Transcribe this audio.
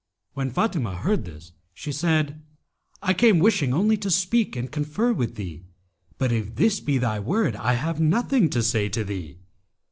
When Fatimah heard this, she said, 'I came wishing only to speak and confer with thee, but if this be thy word, I have nothing to say to thee.'